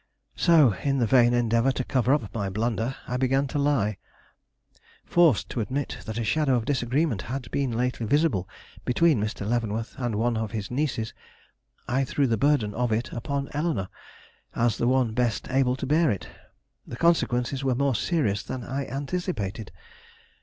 So, in the vain endeavor to cover up my blunder, I began to lie. Forced to admit that a shadow of disagreement had been lately visible between Mr. Leavenworth and one of his nieces, I threw the burden of it upon Eleanore, as the one best able to bear it. The consequences were more serious than I anticipated.